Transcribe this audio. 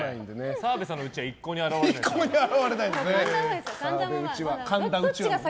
澤部さんのうちわは一向に現れないですね。